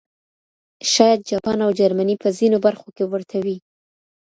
شاید جاپان او جرمني په ځینو برخو کې ورته وي.